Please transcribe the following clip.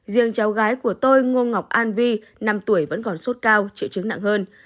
riêng cháu gái của tôi ngô ngọc an vi năm tuổi vẫn còn sốt cao triệu chứng nặng hơn